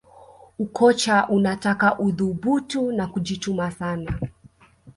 ukocha unataka uthubutu na kujituma sana